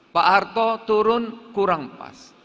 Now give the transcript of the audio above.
pak harto turun kurang pas